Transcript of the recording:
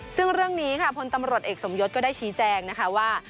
ซึ่งเรื่องนี้ค่ะพลตำรวจเอกสมยศก็ได้ชี้แจงนะคะว่า